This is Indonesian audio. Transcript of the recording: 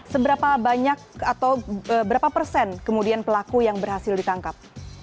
seberapa banyak atau berapa persen kemudian pelaku yang berhasil ditangkap